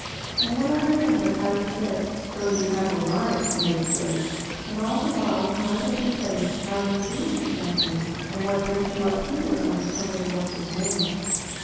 And when I remember how you said: 'So you have arrived, Nurse Gray?' and all the while you might have been saying. 'How do you do, Miss Champion? And what brings you up here under somebody else's name?"